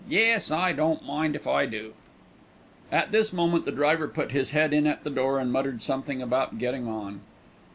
Yes, I don't mind if I do." At this moment the driver put his head in at the door and muttered something about getting on.